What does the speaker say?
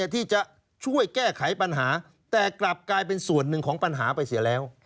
ที่จะช่วยแก้ไขปัญหาแต่กลับกลายเป็นส่วนหนึ่งของปัญหาไปเสียแล้ว